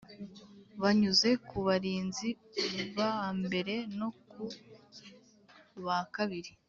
Banyuze ku barinzi ba mbere no ku ba kabiri